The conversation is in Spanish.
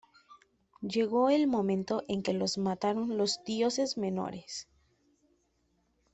Llegó el momento en que lo mataron los dioses menores.